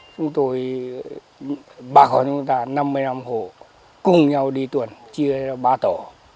chúng tôi bà con chúng ta năm mươi năm hồ cùng nhau đi tuần chia ra ba tổ